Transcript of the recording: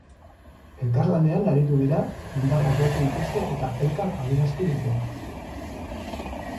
Elkarlanean aritu dira, indarrak batu dituzte eta elkar aberastu dute.